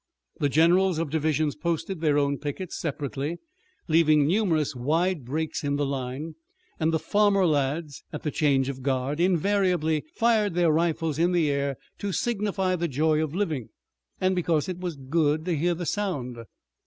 The generals of divisions posted their own pickets separately, leaving numerous wide breaks in the line, and the farmer lads, at the change of guard, invariably fired their rifles in the air, to signify the joy of living, and because it was good to hear the sound.